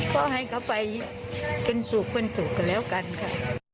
ก็ให้เขาไปกันจูบกันจูบกันแล้วกันค่ะ